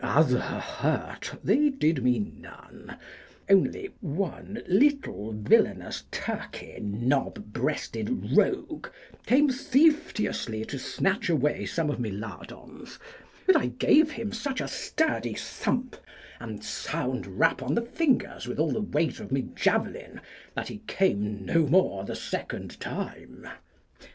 Other hurt they did me none, only one little villainous Turkey knobbreasted rogue came thiefteously to snatch away some of my lardons, but I gave him such a sturdy thump and sound rap on the fingers with all the weight of my javelin, that he came no more the second time.